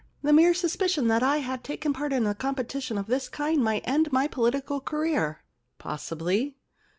The mere suspicion that I had taken part in a competition of this kind might end my political career.* ' Possibly.